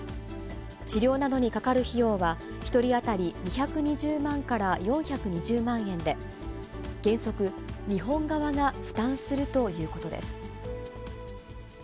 治療などにかかる費用は、１人当たり２２０万から４２０万円で、原則、日本側が負担するということです。